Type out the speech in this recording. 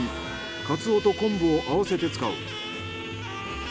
カツオと昆布を合わせて使う。